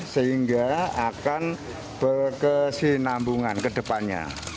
sehingga akan berkesinambungan ke depannya